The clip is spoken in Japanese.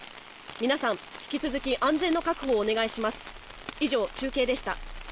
皆さん、引き続き安全の確保をお願いいたします。